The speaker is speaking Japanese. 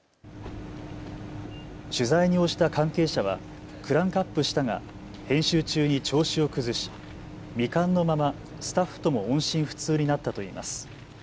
取材に応じた関係者はクランクアップしたが編集中に調子を崩し未完のままスタッフとも音信不通になったといいます。